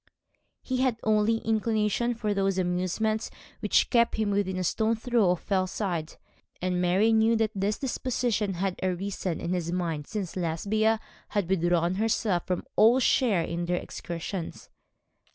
He had only inclination for those amusements which kept him within a stone's throw of Fellside: and Mary knew that this disposition had arisen in his mind since Lesbia had withdrawn herself from all share in their excursions.